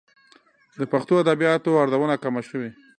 د پښتو ادبياتو ارزونه کمه شوې.